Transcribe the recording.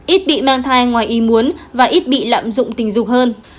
ít bị mang thai ngoài ý muốn và ít bị lạm dụng tình dục hơn